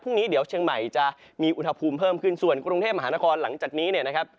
พรุ่งนี้เดี๋ยวเชียงใหม่จะมีอุณหภูมิเพิ่มขึ้นส่วนกรุงเทพมหานครหลังจากนี้เนี่ยนะครับ